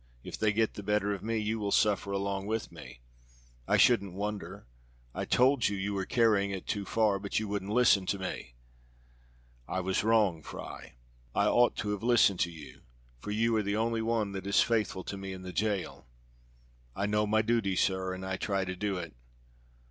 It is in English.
If they get the better of me you will suffer along with me." "I shouldn't wonder. I told you you were carrying it too far, but you wouldn't listen to me." "I was wrong, Fry. I ought to have listened to you, for you are the only one that is faithful to me in the jail." "I know my duty, sir, and I try to do it."